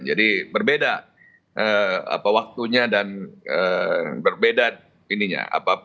jadi berbeda waktunya dan berbeda